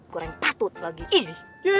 goreng patut lagi ini